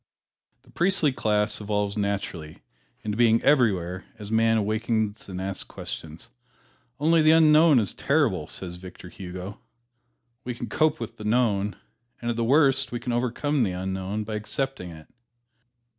The priestly class evolves naturally into being everywhere as man awakens and asks questions. "Only the Unknown is terrible," says Victor Hugo. We can cope with the known, and at the worst we can overcome the unknown by accepting it.